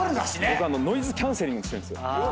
僕ノイズキャンセリングしてるんですよ。